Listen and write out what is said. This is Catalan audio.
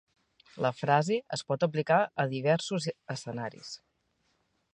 La frase es pot aplicar a diversos escenaris.